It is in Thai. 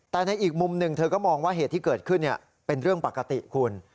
แต่ในอีกมุมหนึ่งเธอก็มองว่าเหตุที่เกิดขึ้นเป็นเรื่องปกติคุณ